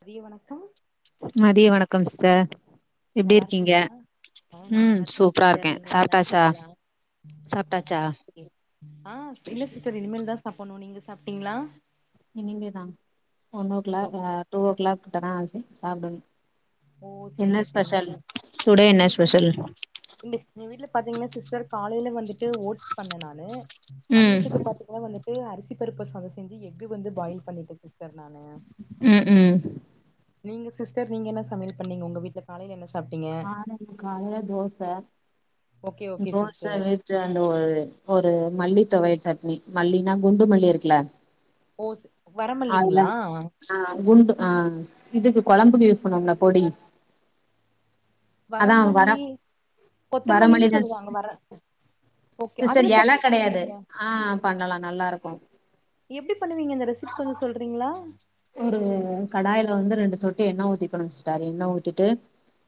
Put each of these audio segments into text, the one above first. மதிய வணக்கம் மதிய வணக்கம் சிஸ்டர் எப்டி இருக்கீங்க ஆ நா ம் நல்லா இருக்கே சூப்பரா சிஸ்டர் நீங்க நல்லா சாப்ட்டாச்சா இருக்கீங்ளா சாப்ட்டாச்சா ஆ இல்ல சிஸ்டர் இனிமேல்தா சாப்புட்ணு நீங்க சாப்ட்டீங்ளா இனிமேதா ஒன் ஓ கிளாக் ஓகே அ டூ ஓ கிளாக் கிட்டதா ஆச்சு சாப்டுவே ஓ என்ன செரிங்க செரிங்க ஸ்பெஷல் சிஸ்டர் டுடே என்ன இன்னைக்கு வந்து ஸ்பெஷல் இந்த எங்க வீட்ல பாத்தீங்கன்னா சிஸ்டர் காலைல வந்துட்டு ஓட்ஸ் பண்ண நானு ம் மதியத்துக்கு பாத்தீ நா வந்துட்டு அரிசி பருப்பு சாதோ செஞ்சி எக்கு வந்து பாயில் பண்ணீட்ட சிஸ்டர் நானு ம் ம் நீங்க சிஸ்டர் நீங்க என்ன சமையல் பண்ணீங்க உங்க வீட்ல காலைல என்ன சாப்டீங்க நானாடி காலைல dosa okay okay dosa sister வச் அந்த ஒரு ஒரு மல்லி துவையல் சட்னி மல்லினா குண்டு மல்லி இருக்குல ஓ அதுல வரமல்லிங்ளா ஆ குண்டு ஆ இதுக்கு கொழம்புக்கு யூஸ் பண்ணுவோம்ல பொடி அதா வர வரமல்லி வரமல்லி கொத்தமல்லின்னு தா சொல்லுவாங்க வர ஓகே சிஸ்டர் அதுல இல சட்னி கிடையாது பண்ணுவீங்களா ஆ பண்ணலா நல்லா இருக்கு எப்டி பண்ணுவீங்க இந்த ரெசிபி கொஞ்சோ சொல்றீங்ளா ஒரு கடாயில வந்து ரெண்டு சொட்டு எண்ணெய ஊத்திக்கணு சிஸ்டர் எண்ணெ ஊத்திட்டு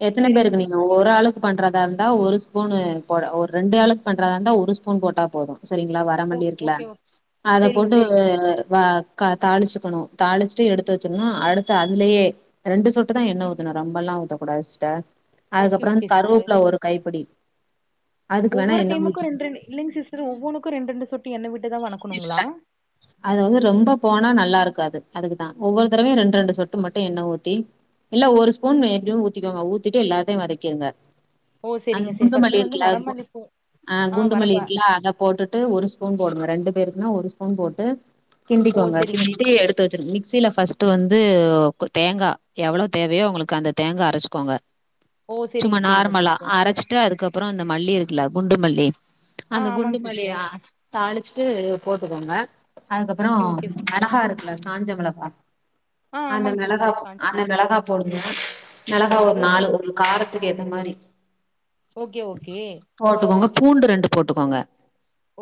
எத்தன செரிங்க பேருக்கு சிஸ் நீங்க ஒரு ஆளுக்கு பண்றதா இருந்தா ஒரு ஸ்பூன் போ ஒரு ரெண்டு ஆளுக்கு பண்றதா இருந்தா ஒரு ஸ்பூன் போட்டா போது செரிங்ளா வர ஓ மல்லி இருக்கல ஓகே ஓகே அத செரிங்க போட்டு செரிங்க சிஸ்டர் அ க தாளிச்சுக்கணு தாளிச்சிட்டு எடுத்து வச்சிருன்னு அடுத்து அதுலயே ரெண்டு சொட்டுதா எண்ணெ ஊத்தணு ரொம்பல்லா ஊத்தக்கூடாது சிஸ்டர் ஓகே அதுக்கப்றோ ஓகே சிஸ்டர் கருவப்புல ஒரு கைப்பிடி அதுக்கு வேணா ஒவ்வொரு எண்ணெ டைமுக்கு ஊத்தி ரெண்டு ரெண்டு இல்லைங்க சிஸ்டர் ஒவ்வொனுக்கு ரெண்ரெண்டு சொட்டி எண்ணெ விட்டதா வணக்கணுங்ளா அது வந்து ரொம்ப போனா நல்லா இருக்காது அதுக்குதா ஒவ்வொரு தடவையு ரெண்டு ரெண்டு சொட்டு மட்டு எண்ணெ ஊத்தி இல்ல ஒரு ஸ்பூன் எப்டியு ஊத்திக்கோங்க ஊத்திட்டு எல்லாத்தையு வதக்கிடுங்க ஓ அந்த செரிங்க செரி குண்டு மல்லி ஃபர்ஸ்ட் வந்து இருக்குல வரமல்லிப்பூ ஆ குண்டு மல்லி இருக்குலா அத போட்டுட்டு ஒரு ஸ்பூன் போடுங்க ரெண்டு பேருக்குன ஒரு ஸ்பூன் போட்டு ஓ கிண்டிட்டுக்கோங்க செரிங்க கிண்டிட்டு எடுத்து வச்சிருங்மிக்சில ஃபர்ஸ்ட் வந்து தேங்கா எவ்ளோ தேவையோ உங்களுக்கு அந்த தேங்கா அரச்சுக்கோங்க ஓ சும்மா செரிங்க செரிங்க நார்மலா சிஸ்டர் அரச்சிட்டு அதுக்கப்றோ அந்த மல்லி இருக்குல குண்டு மல்லி ஆ அந்த ஆமாங்க குண்டுமலியா சிஸ்டர் தாளிச்சுட்டு போட்டுக்கோங்க அதுக்கப்றோ ஓகே ஓகே சிஸ்டர் மெளகா இருக்குல காஞ்ச மெளகா ஆ அந்த ஆமாங்க மெளகா சிஸ்டர் காஞ் அந்த மெளகா போடுங்க மெளகா ஒரு ஓகே நாலு ஒரு காரத்துக்கு ஏத்த மாரி ஓகே ஓகே போட்டுக்கோங்க பூண்டு ரெண்டு போட்டுக்கோங்க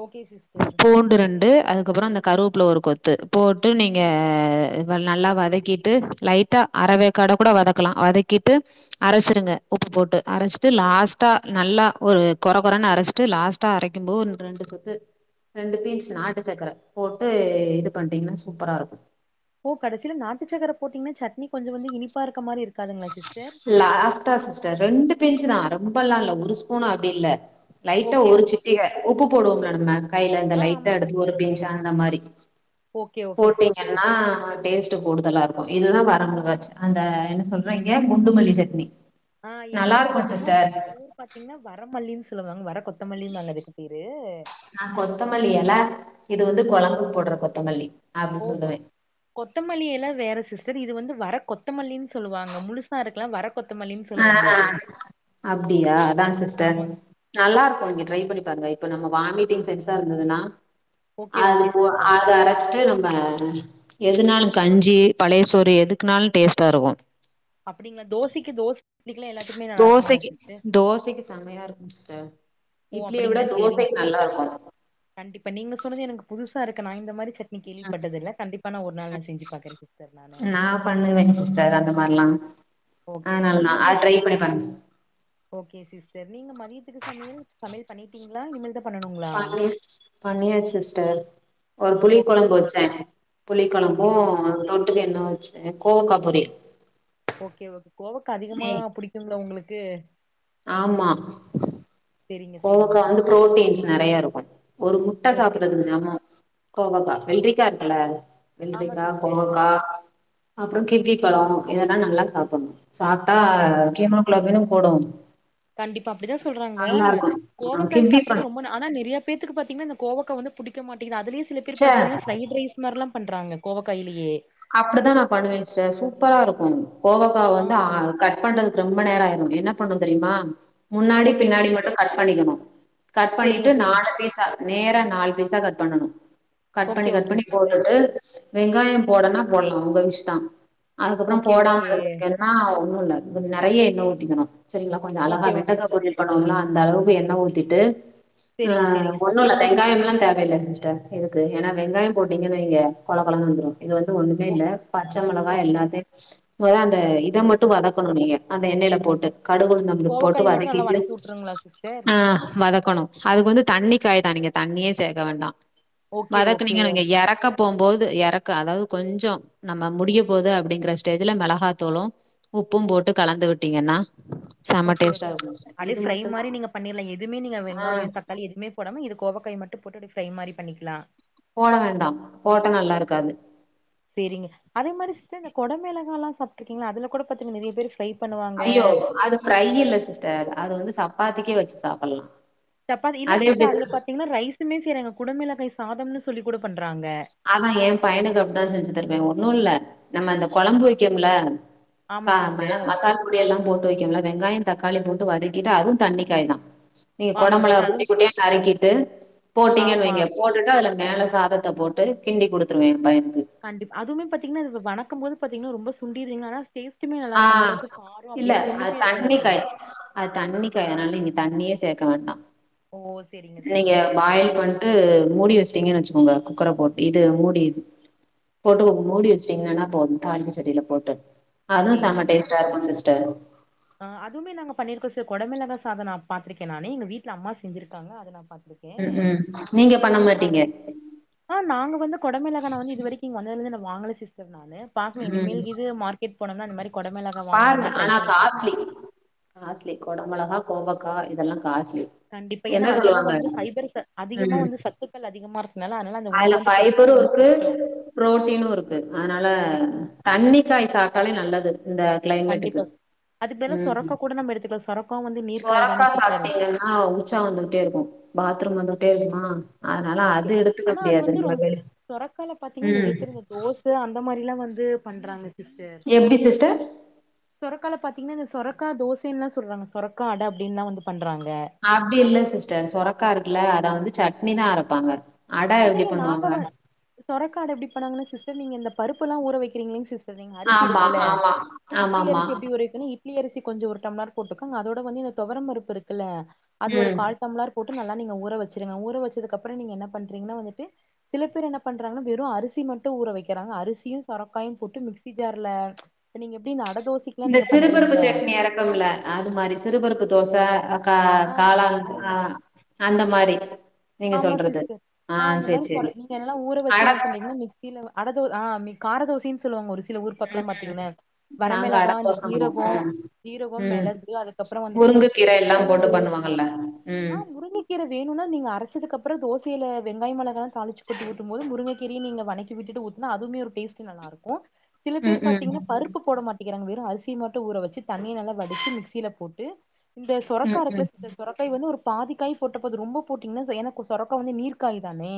ஓகே சிஸ்டர் பூண்டு ரெண்டு அதுக்கப்பறோ அந்த கருவப்புல ஒரு கொத்து போட்டு நீங் அ நல்லா வதக்கிட்டு லைட்டா அரவேக்காட கூட வதக்கலா வதக்கிட்டு அரச்சுருங்க உப்பு போட்டு அரச்சிட்டு லாஸ்ட்டா நல்லா ஒரு கொற கொறன்னு அரச்சிட்டு லாஸ்ட் டா அரைக்கும்போ இன்னு ரெண்டு சொட்டு ரெண்டு பீன்ச் நாட்டு சக்கர போட்டு இது பண்ணிடீங்ன்னா சூப்பரா இருக்கு ஓ கடைசியில நாட்டுச்சக்கர போட்டீங்னா சட்னி பா வந்து இனிப் இருக்க மாரி இருக்கு லாஸ்ட்டா சிஸ்டர் ரெண்டு பின்சு தா ரொம்பல்லா இல்ல ஒரு ஸ்பூன் அப்டி இல்ல லைட்ட ஓகே ஒரு ஓகே சிட்டிக உப்பு போடுவோம்ல நம்ம கையில இந்த ஆ லைட்ட ஆமா எடுத்து ஒரு சிஸ்டர் பின்ச் அந்த மாரி ஓகே ஓகே சிஸ்டர் போட்டீங்கன்னா டேஸ் ட்டு கூடுதலா இருக்கு இதுதா வர மொளகா அந்த என்ன சொல்ற இங்க குண்டுமல்லி சட்னி ஆ எங்க நல்லா ஊர் இருக்கு பாத்தீங்கனா சிஸ்டர் வயலூர் பாத்தீங்கன்னா வர மல்லின் சொல்லுவாங்க வர கொத்தமல்லின் தான அதுக்கு பேரு ஆ கொத்தமல்லி எல இது வந்து குழம்புக்கு போடுற கொத்தமல்லி அப்டி ஓ கொத் சொல்லுவே கொத்தமல்லி எல வேற சிஸ்டர் இது வந்து வர கொத்தமல்லினு சொல்லுவாங்க முழுசா இருக் வர கொத்தமல்லினு ஆ ஆ அப்டியா அதா சிஸ்டர் ஆமாங் நல்லா இருக்கு நீங்க ட்ரை பண்ணி பாருங்க இப்ப நம்ம வாமிட்டிங் சென்ஸா இருந்துதுன்னா ஓகே அது ஓகே போ சிஸ்டர் அது அரச்சிட்டு நம்ப எதுனாலு கஞ்சி பழைய சோறு எதுக்குனாலு டேஸ்டா இருக்கு அப்டிங்களா தோசைக்கு தோச இட்லிக்குலா எல்லாத்துக்குமே நல்லா இருக்குங்களா தோசைக்கு சிஸ்டர் தோசைக்கு செம்மையா இருக்கு சிஸ்டர் ஓ இட்லிய விட அப்டிங்களா சேரிங்க தோசைக்கு நல்லா சிஸ்டர் இருக்கு கண்டிப்பா நீங்க சொன்னது எனக்கு புதுசா இருக்கு நா இந்த மாரி சட் கேள்விப்பட்டது இல்ல கண்டிப்பா நா ஒரு நாள் நா செஞ்சு பாக்றே சிஸ்டர் நானு நா பண்ணுவே சிஸ்டர் அந்த மாரிலா ஓகே உங்க அதனாலதா வீட்ல அது ட்ரை பண்ணி பாருங்க ஓகே சிஸ்டர் நீங்க மதியத்துக்கு சமையல் சமையல் பண்ணிட்டீங்களா இனிமேல் தா பண்ணணுங்களா பண்ணியாச்சு சிஸ்டர் ஒரு புளி ஓகே குழம்பு வச்சே புளி ஓகே குழம்பு ஓகே தொட்டுக்கென்னவோ வச்சு கோவக்கா பொரியல் ஓகே ஓகே கோவக்கா அதிகமா புடிக்குங்களோ உங்களுக்கு ஆமா செரிங்க செரிங்க கோவக்கா வந்து சிஸ்டர் புரோட்டீன்ஸ் நெறையா இருக்கு ஒரு முட்ட ஓகே சாப்பிடுறதுக்கு சமோ கோவக்கா ஓ வெல்ரிக்கா இருக்குல ஆமா வெல்ரிக்கா சிஸ்டர் கோவக்கா அப்புறோ கிர்னி பழோ இதெல்லா நல்லா சாப்பிடணு சாப்ட்டா ஓ ஹீமோகுளோபின்னு கூடும் கண்டிப்பா அப்டிதா சொல்றாங்க இருக்கு ஆ கோவக்காய் கிவ்வி பழோ சாப்ட்றது ரொம்ப ந ஆனா நிறையா பேத்துக்கு பாத்தீங்கன்னா இந்த கோவக்கா வந்து புடிக்க மாட்டிங்கிது அதுலயு சில பேர் ச்ச பாத்திங்ன்னா ஃபிரைட் ரைஸ் மாரிலா பண்றாங்க கோவக்காயிலேயே அப்டிதா நா பண்னுவே சிஸ்டர் சூப்பரா இருக்கு கோவக்கா வந்து ஆ கட் கட் பண்றதுக்கு ரொம்ப நேர ஆயிரும் என்ன பண்ணணு தெரியுமா முன்னாடி ஓகே பின்னாடி ஓகே மட்டும் கட் பண்ணிக்கணு கட் செரிங்க பண்ணிட்டு செரிங்க நாலு பீஸா நேரா நாலு பீஸா கட் பண்ணனு கட் பண்ணி ஓகே கட் ஓகே பண்ணி சிஸ்டர் போட்டுட்டு வெங்காயம் போடனா போடலா உங்க விஷ் தா அதுக்கப்புறோ ஓகே போடாம ஓகே இருந்திருக்கே ஆ ஒன்னு இல்ல கொஞ்ச நிறைய எண்ண ஊத்திக்கணு சரிங்களா கொஞ்ச அழகா ஓகே ஓகே வெண்டக்கா சிஸ் பொரியல் பண்ணுவோம்ல அந்த அளவுக்கு எண்ண ஊத்திட்டு ஆ செரிங்க செரிங்க ஒண்ணு இல்ல சிஸ்டர் வெங்காயம்ல்லா தேவையில்ல சிஸ்டர் இருக்கு ஏனா வெங்காயம் போட்டீங்கன்னு வைய்ங்க கொழ கொழன்னு வந்துரும் இது வந்து ஒன்னுமே ஓ இல்ல பச்ச மிளகா ஓகே எல்லாத்தையு அந்த இத மட்டு வதக்கணு நீங்க அந்த எண்ணெயில போட்டு கடுகு கோவக்காய் மட்டு நல்லா உளுந் வணக்கி விட்டுருங்களா சிஸ்டர் ஆ வதக்கணு அதுக்கு வந்து தண்ணி காய் தா நீங்க தண்ணியே சேர்க்க வேண்டா ஓகே வதக்குனீங்க ஓகே வைங்க எறக்கப் போம்போது எறக்க அதாவது கொஞ்சோ நம்ப முடிய போது அப்டிங்கிற ஸ்டேஜ்ல மிளகாத்தூளும் உப்பும் போட்டு கலந்து விட்டீங்கன்னா செம ஓகே ஓகே டேஸ்ட்டா இருக்கும் சிஸ்டர் அடியே இது ஃப்ரை மட்டும் மாரி தான் நீங்க பண்ணிரலா எதுமே நீங்க ஆ வெங்காயோ தக்காளி எதுமே போடாம இது கேவக்காய் மட்டு போட்டு அப்டியே ஃப்ரை மாரி பண்ணிக்கலா போட வேண்டா போட்டா நல்லா இருக்காது சேரிங்க அதே மாரி சிஸ்டர் இந்த கொட மிளகால்லா சாப்பிட்ருக்கீங்களா அதுல கூட பாத்தீங்க நெறைய பேரு ஃப்ரை பண்ணுவாங்க ஐயோ அது ஃப்ரை இல்ல சிஸ்டர் அது வந்து சப்பாதிக்கே வச்சு சாப்பிடலாம் சாப்பாதி இல்ல சிஸ்டர் அதுல பாத்தீங்கன்னா ரைஸுமே செய்றாங்க குடமிளகாய் சாதம்ன்னனு சொல்லி கூட பண்றாங்க அதா ஏ பையனுக்கு அப்டிதா செஞ்சு தருவே ஒண்ணும் இல்ல நம்ம அந்த கொழம்பு வைக்குறம்ல ஆமா கா சிஸ்டர் மெளக மசால் பொடி எல்லா போட்டு வைக்கம்ல வெங்காயம் தக்காளி போட்டு வதக்கிட்டு அதுவு தண்ணிக்காய் தா நீங்க ஆமா கொடமிளகாவ சிஸ்டர் குட்டி அதுவு குட்டியா நறுக்கிட்டு போட்டீங்கன்னு ஆமா வைங்க போட்டுட்டு அதுல மேல சாதத்த போட் டு கிண்டி கொடுத்துருவே எ பையனுக்கு கண்டிப்பா அதுமே பாத்தீங்கன்னாது வனக்கும் போது பாத்தீங்ன்னா ரொம்ப சுண்டிருங்கானா டேஸ்ட் அதுமே நல்லா ஆ இருக்கும் அளவுக்கு காரம் இல்ல அப்படில்ல அது ஒண்ணுமே இருக்காது அதுல தண்ணிக்காய் அது தண்ணி காய் அதுனால நீங்க தண்ணியே சேக்க வேண்டா ஓ சேரிங்க சேரிங்க சிஸ்டர் இது மூடி வச்சுட்டீங்கன்னு வச்சுக்கோங்க குக்கர போட்டு இது மூடி போட்டு உங் மூடி வச்சட்டீங்கன்னா போது தாளிப்பு சட்டில போட்டு அதுவு செம சேரிங்க டேஸ்டா சிஸ்டர் இருக்கு சிஸ்டர் ஆ அதுமே நாங்க பண்ணிருக்கோ ச கொடமிளகா சாதம் நா பாத்திருக்கே நானு எங்க வீட்ல அம்மா செஞ்சிருக்காங்க அத நா பாத்துருக்கே ம் ம் நீங்க பண்ண மாட்டீங்க ஆ நாங்க வந்து கொடமிளகா நா வந்து இங்க வரைக்கு இங்க வந்ததுலருந்து நா வாங்கல சிஸ்டர் நானு பாக்கனு ம் இனிமேல் இது மார் போனோம்னா இந்த மாரி கொடமிளகா பாருங்க வாங்கனும்னா ட்ரை ஆனா பண்ணி பாக்கலா காஸ்ட்லி காஸ்ட்லி கொடமொளகா கோவக்கா இதெல்லா காஸ்லி கண்டிப்பா ஏன்னா அதுலதா வந்து ஃபைபர்ஸ் அதிகமா ம் வந்து சத்துக்கள் அதிகமா இருக்குனால அதனால அந்த உணவு வந்து கெடைக்குறது ரொம்ப கஷ்டோ ப்ரோட்டீனு இருக்கு அதுனால தண்ணிக்காய் சாப்டாலே நல்லது இந்த க்ளைமேட்டுக்கு கண்டிப்பா அதுக்கு பதிலா ம் சொரக்கா கூட நம்ம எடுத்துக்கலா சொரக்காவு வந்து நீர்க்காய் தானே சொரக்கா சிஸ்டர் சாப்ட்டீங்கன்னா ஆ உச்சா வந்துகிட்டே இருக்கும் பாத்ரூம் வந்துகிட்டே இருக்குமா அதுனால ஓகே அது எடுத்துக்க ஆனா அது வந்து முடியாதுங்கல ரொம் வேலைக்கு ம் அது அந்த மாரில்லா வந்து பண்றாங்க சிஸ்டர் எப்டி சிஸ்டர் சொரக்கால பாத்தீங்கன்னா இந்த சொரக்கா தோசைன்லா சொல்றாங்க சொரக்கா அட அப்படின்லா வந்து பண்றாங்க அப்டி இல்ல சிஸ்டர் சொரக்கா இருக்குல்ல அத வந்து சட்னிதா அரப்பாங்க அட எப்டி பண்ணுவாங்க சொரக்கால எப்டி பண்ணுவாங்கனா சிஸ்டர் நீங்க இந்த பருப்புல்லா ஊற வைக்கிறீங்கலீங் சிஸ் பாத்திங் அரிசி ஆமா இருக்குல்ல ஆமா இட்லி ஆமாமா அரிசி எப்டி ஊற வைக்கனு இட் இட்லி அரிசி கொஞ்ச ஒரு டம்ளர் போட்டுக்கங்க அதோட வந்து இந்த துவரம் பருப்பு இருக்குல்ல அது ஒரு ம் கால் டம்ளார் போட்டு நல்லா நீங்க ஊற வச்சுருங்க ஊற வச்சதுக்கப்புற நீங்க என்ன பண்றீங்கன்னா வந்துட்டு சில பேர் என்ன பண்றாங்கன்னா வெறு அரிசி மட்டு ஊற வைக்கிறாங்க அரிசியு சொரக்காயு போட்டு மிக்சி ஜார்ல இப்ப நீங்க எப்டி இந்த அட தோசக் இந்த சிறுபருப்பு சட்னி அறப்பேம்ல்ல அது மாரி சிறுபருப்பு தோச கா ஆ காளான் அந்த ஆ அந்த மாரி நீங்க ஆமா சொல்றது சிஸ்டர் ஆ இந்த சேரி மாரி சொர சேரி நீங்க எல்லா ஊற வச்சு அட என்ன பண்ணீங்கன்னா மிக் ஸில அட தோ ஆ மிக் கார தோசைன்னு சொல்லுவாங்க ஒரு சில ஊர் பக்கல்லா ம் ம். பாத்தீங்கன்னா நாங்க வரமிளகா அட இந்த தோச ஜீரகம் ம் ஜீரகம் ம் மெளகு அதுக்கப்புற வந்துட்டு உப்பு முருங்கக்கீர எல்லா போட்டு பூண்டு பண்ணுவாங்கல்ல ஆ ம் முருங்கக் கீர வேணுன்னா நீங்க அர ச்சதுக்கப்புற தோசேல வெங்காய மொளகால்லா தாளிச்சு கொட்டி ஊத்தும்போது முருங்கக்கீரிய நீங்க வனக்கி விட்டுட்டு ஊத்துனா அதுவுமே டேஸ்ட் டு நல்லாருக்கும் சில ம் பேர் ம் பாத்தீங்கன்னா பருப்பு உப்பு போட மாட்டேங்கிறாங்க வெறு அரிசி மட்டு ஊற வச்சு தண்ணிய நல்லா வடித்து மிக்சியில போட்டு இந்த சொரக்கா ம் இருக்குல ம் சிஸ்டர் சொரக்காய வந்து ஒரு பாதிக்காய் போட்ட போது ரொம்ப போட்டீங்கன்னா எனக்கு சொரக்கா வந்து நீர்க் காய் தானே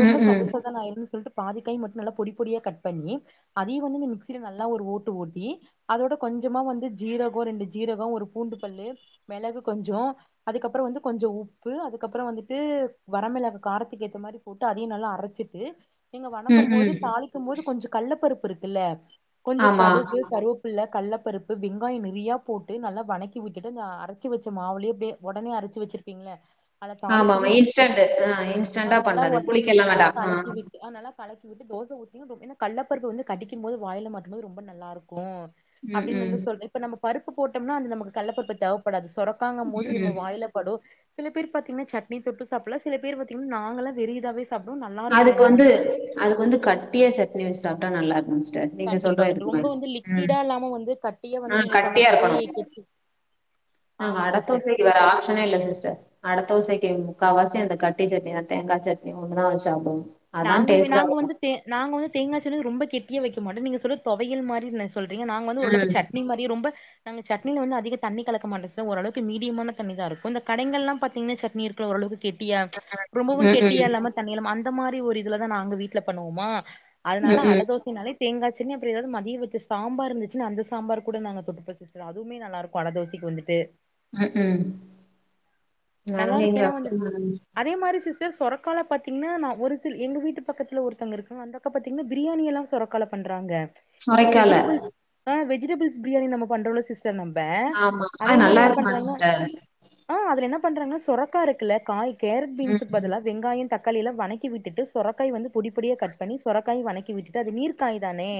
ரொம்ப ம் ம் சதசதன்னு ஆயினு சொல்ட்டு பாதிக்காய் மட்டு நல்லா பொடி பொடியா கட் பண்ணி அதயு வந்து நீங்க மிக்சியில நல்லா ஒரு ஓட்டு ஓட்டி அதோட கொஞ்சமா வந்து ஜீரகோ ரெண்டு ஜீரகோ ஒரு பூண்டு பல்லு மெளகு கொஞ்சோ அதுக்கப்பறோ வந்து கொஞ்சோ உப்பு அதுக்கபறோ வந்து ட்டு வரமிளக காரத்துக்கேத்த மாரி போட்டு அதயு நல்லா அரச்சிட்டு நீங்க வணக்கு ம் ம் போது தாளி இருக்கும் போது கொஞ்சோ கள்ளப் பருப்பு இருக்குல்ல கொஞ்சோ ஆமா கடுகு கருவப் பிள்ள கள்ளப்பருப்பு வெங்காயோ நெறையா போட்டு நல்லா வணக்கி விட்டுட்டு இந்த அரச்சு வெச்ச மாவுலே அப்டே ஒடனே அரைச்சு வெச்சிரு பிங்கள அத ஆமாமா தாளிச்சதையு நல்லா இன்ஸ்டன்ட் கொட்டி விட்டு ஆ அ இன்ஸ்டன்டா நல்லா பண்ணது ஒடுனா புளிக்கல்லா நல்லா வேண்டா ஆ கலக்கி விட் டு அ நல்லா கலக்கி விட்டு தோச ஊத்தி [inaudible] என்ன கள்ளப்பருப்ப வந்து கடிக்கும் போது வாயில மாட்டும்போது ரொம்ப நல்லாருக்கு ம் அப்டின்னு ம் வந்து சொல்ற இப்ப நம்ப பருப்பு போட்டம்னா அந்த நமக்கு கள்ள பருப்பு தேவப்படாது சொரக் காங்க போது இது நம்ம ம் வாய்ல படு சில பேர் பாத்திங்கன்னா சட் னி தொட்டு சாப்பல்லா சில பேர் பாத்திங்கன்னா நாங்களா வெறு இதாவே சாப்டுவோ நல்லா இருக்கு அதுக்கு ஏன்னா வந்து வந்துட்டு அதுக்கு வந்து கட்டியா சட்னி வெச்சு சாப்ட்டா நல்லா இரு சட்னிக்கா கண்டிப்பா சொல்றா [inaudible] கண்டி ரொம்ப வந்து ம் லிக்விடா இல்லாம வந்து கட்டியா ஹ வந்து நீங்க சொன்ன கட்டியா மாரி இருக்கணு கெட்டி ஆமா நாங்க சிஸ்டர் [unintelligible] ஆப்ஷனே இல்ல சிஸ்டர் அட தோசைக்கு முக்காவாசி அந்த கட்டி சட்னிதா தேங்கா சட்னி ஒண்ணுதா வச்சு சாப்புடுவே நாங்களுமே நாங்க வந்துட் தே நாங்க வந்து தோங்கா [unintelligible] ரொம்ப கெட்டியா வெக்க மாட்டோ நீங்க சொல்றது தொவையல் மாரினு சொல்றீங்க நாங்க வந்து ம் ஓரளவுக்கு சட்னி மா தி ரொம்ப நாங்க சட்னீல வந்து அதிக தண்ணி கலக்க மாட்டோம்ச ஓரளவுக்கு மீடியமான தண்ணிதா இருக்கு இந்த கடைங்கல்லா பாத்திங்ன்னா சட்னி இருக்குள்ள ஓரளவுக்கு கெட்டியா ரொம்பவு ம் கெட்டியா ம் இல்லாம தண்ணீல அந்த மாரி ஒரு இதுலதா நாங்க வீட்ல பண்ணுவோமா ம் அதனால அட ம் தோசைனாலே தேங்காச் சட்னி அப்பறோ யேதாவது மதியோ வெச்ச சாம்பார் இருந்துச்சுன்னா அந்த சாம்பார் கூட நாங்க தொட்டுப் பேச சில அதுவுமே நல்லாருக்கு அடதோசைக்கு வந்துட்டு ம் ம் நாங்க நல்லா இருக்கு இங்க ஏன்னா வந்து [unintelligible] அதே மாரி சிஸ்டர் சொரக்கால பாத்திங்ன்னா நா ஒரு த்தரு எங்க வீட்டு பக்கத்துல ஒருத்தங்க இருக்காங்க அந்தக்கா பாத்திங்ன்னா பிரியாணி எல்லா சொரக்கால பண்றாங்க இப்படி சொரைக்கால வெஜிட்டபுள்ஸ் அ வெஜிடபிள்ஸ் பிரியாணி நம்ம பண்றோ இல்ல சிஸ் சோ நம்ப ஆமா அது அதே மாரி நல்லா என்ன இருக்குமா பண்றாங்கனா சிஸ்டர் ஆ அதுல என்ன பண்றாங்கன்னா சொரக்கா இருக்குல காய் கேரட் பீன்ஸுக்கு ம் பதிலா வெங்காயோ தக்காளியெல்லா வணக் கி விட்டுட்டு சொரக்காய் வந்து பொடிப்பொடியா கட் பண்ணி சொரக்காய வணக்கி விட்டுட்டு அது நீர்காய் தானே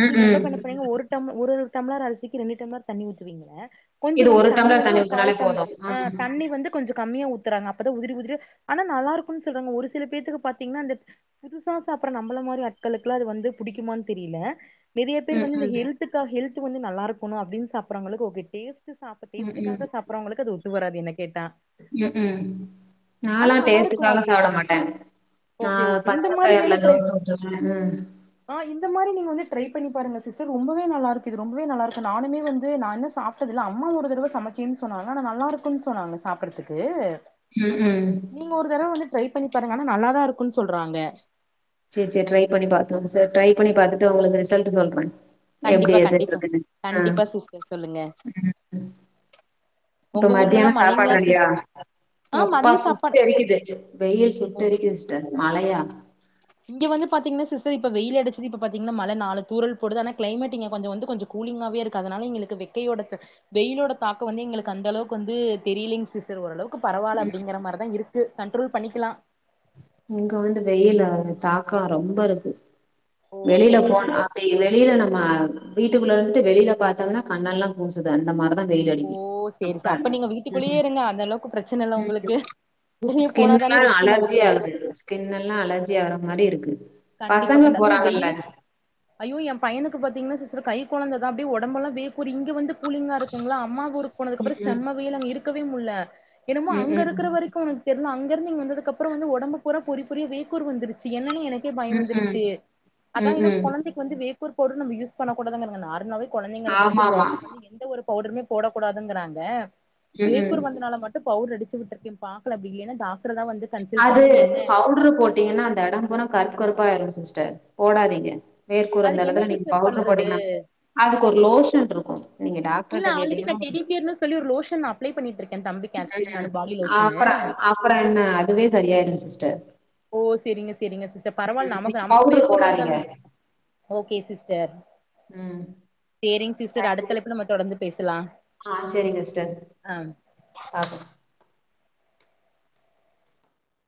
ம் நீங்க ம் எப்ப பண்ண போறீங்க ஒரு டம் ஒரு டம்ளர் அரிசிக்கு ரெண்டு டம்ளர் தண்ணி ஊத்துவீங்கள்ள கொஞ்சோ இது வந்து ஒரு தண்ணி டம்ளர் வந்து ஒரு ஊத்துனாலே கால் டம் போது ஹ ம் தண்ணி வந்து கொஞ்சோ கம்மிய ஊத்துறாங்க அப்பதா உதிரி உதிரியா அனா நல்லாருக்குன்னு சொல்றாங்க ஒரு சில பேர்த்துக்கு பாத்திங்ன்னா அந்தப் புதுசா சாப்பட்ற நம்பள மாரி ஆட்களுக்குலா அது வந்து புடிக்குமானு தெரில நெறைய பேர் ம் வந்து இந்த ம் ஹெல்த்துகாக ஹெல்து வந்து நல்லாயிருக்கனு அப்டின் சாப்பறவங்களுக்கு ஓகே டேஸ்ட் டு சாப் ம் டேஸ்டுக்காக சாப்ட்றவங்களுக்கு அது ஒத்து வராது என்ன கேட்டா ம் ம் ஆனா நாலா நல்லா இருக்கு டேஸ்டுக்காக அது சாப்டமாட்ட அ ஓகே ஓகே இந்த பச்சபயிறுல தோச ஊத்துவே ம் அ இந்த மாரி நீங்க வந்து ட்ரை பண்ணி பாருங்க சிஸ்டர் ரொம்பவே நல்லாயிருக்கு யிது ரொம்ப நல்லாருக்கு நானுமே வந்து நா இன்னு சாப் ட்டதுல்ல அம்மா ஒரு தடவ சமச்சேன்னு சொன்னாங்க அனா நல்லாருக்குன்னு சொன்னாங்க சாப்ட்றதுக்கு ம் ம் நீங்க ஒரு தரவ வந்து ட்ரை பண்ணி பாருங்க அனா நல்லாதா இருக்குன்னு சொல்றாங்க சேர் சேர் ட்ரை பண்ணி பாத்துருவோ சேர் ட்ரை பண்ணி பாத்துட்டு உங்களுக்கு ரிசல்ட் சொல்றே எப்டி கண்டிப்பா கண்டிப்பா எதுட்டுருக்குன்னு கண்டிப்பா சிஸ்டர் சொல்லுங்க ம் ம் இப்ப உங்க ஊர்லல்லா மத்தியானோ சாப்பாடு மழைங்களா ரெடியா சிஸ் ஆ எப்பா மதிய சாப்பாடு சுட்டெரிக்குது வெயில் ஓ சுட்டெரிக்குது சி்ஸ்டர் மழயா இங்க வந்து பாத்திங்கன்னா சிஸ்டர் இப்ப வெயிலடிச்சது இப்ப பாத்திங்கன்னா மழ நாலு தூரல் போடுது அனா கிளைமேட் இங்க கொஞ்சோ வந்து கொஞ்சோ கூலிங்காவே இருக்காது அதனால எங்களுக்கு வெக்கையோடக்கு வெயிலோட தாக்க வந்து எங்களுக்கு அந்தளவுக்கு வந்து தெரிய்லிங் சிஸ் த்ரு ஓரளவுக்கு பரவால அப்டிங்கிற மாரிதா இருக்கு கண்ட்ரோல் பண்ணிக்கிலா இங்க வந்து வெயிலார தாக்கா ரொம்ப இருக்கு ஓ வெளியில செரிங்க போனா செரிங்க வே வெளியில நம்ம வீட்டுக்குள்ள இருந்துட்டு வெளில பாத்தானா கண்ணால்லங் கூசுது அந்த மார்ருதா வெயில் ஓ அடிக்கி சேரி அப்ப சே நீங்க ம் வீட்டுக்குள்ளேயே இருங்க அந்த அளவுக்கு பிரச்சன இல்ல உங்களுக்கு ம் வெளிய ஸ்கின் எல்லா போனாதானே ரிஸ்க் அலர்ஜி நமக்கு ஆகுது ஸ்கின் எல்லா அலர்ஜி ஆகுற மாரி இருக்கு கண்டிப்பா பசங்க கண் அது போறாங்கல்ல வெயில ஐயோ என் பையனுக்கு பாத்தீங்கன்னா சிசர் கை கொழந்ததா அப்டி ஒடம்பல்லா வேகூர் இங்க வந்துப் கூலிங்கா இருக்குங்ளா அம்மா ஊருக் போனதுக்கப்று ம் செம்ம வெயிலு அங்க இருக்கவே முல்ல எனமோ ம் அங்க ம் ம் இருக்குற வரி கா உனக் தெர்ல அங்கருந்து இங்க வந்ததுக்கப்றோ வந்து ஒடம்பு பூரா பொரி பொரியா வேக்கூர் வந்துருச்சி என்னனே எனு ஏ பயம் ம் ம் வந்துருச்சி அதா ம் என ம் கொழந்தைக் கு வந்து வேக்கூர் பவ்ட்ர் நம்ம யூஸ் பண்ண கூடாதுனருங்கனா நார்மலாவே கொழந்தைங்களுக்கு வந்து ஆமா ஆமா பாடி வந்து என் எந்த ஒரு பவ்டருமே போடக்கூடாதுங்கறாங்க ம் ம் வேக்கூர் வந்தனால மட் கு பவுடர் அடிச்சு விட்டுருக்கே பாக்கல பில்யன தா வந்து கன்சல்ட் அது பண்ணி என்ன பவுடரு போட்டீங்கன்னா அந்த எடம் பூரா கருப்பு கருப்பாய்ரும் சிஸ்டர் போடாதீங்க வேற்கூரு அந்த் அதுக்கு என்ன எடத்துல நீங் சிஸ்டர் பவுட்ரு பண்றது போட்டிங்கனா அதுக் ஒரு லோஷன் ருக்கு இல்ல ஆல்ரெடி நான்டெடி பியர்ன்னு சொல்லி ஒரு லோஷன் நா அப்ளை பண்ணிட்ருக்கே தம்பிக்கு ஆக்சுவலி நானு பாடி லோஷன்னு அப்பற என்ன அதுவே சரியாய்டுன் சிஸ்டர் ஓ செரிங்க செரிங்க சிஸ்ட பரவால்ல நமக்கு அமக்கு பவுடர் வேக்கூர் போடாதீங்க வந்தாலும் ஓகே சிஸ்டர் ம் தேரிங் சிஸ்டர் அடுத்தழைப்புல நம்ம தொடர்ந்து பேசலா ஆ ச்செரிங்கஸ்டர் ஆ பாப்போ